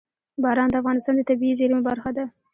باران د افغانستان د طبیعي زیرمو برخه ده.